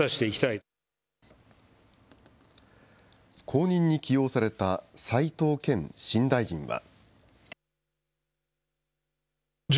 後任に起用された齋藤健新大臣は。